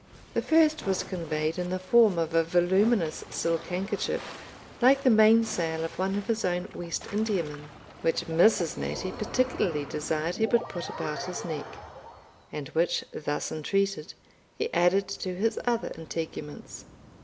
The first was conveyed in the form of a voluminous silk handkerchief, like the mainsail of one of his own West Indiamen, which Mrs. Mattie particularly desired he would put about his neck, and which, thus entreated, he added to his other integuments.